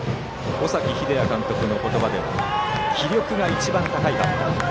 尾崎英也監督の言葉で気力が一番高いバッター。